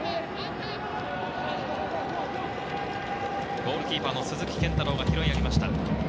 ゴールキーパーの鈴木健太郎が拾い上げました。